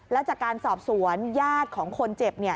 แล้วจากการสอบสวนญาติของคนเจ็บเนี่ย